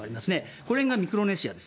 これがミクロネシアです。